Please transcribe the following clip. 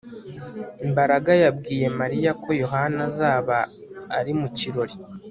Mbaraga yabwiye Mariya ko Yohana azaba ari mu kirori